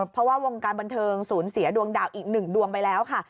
เพราะว่าวงการบันเทิงศูนย์เสียดวงดาวอีกหนึ่งดวงไปแล้วค่ะ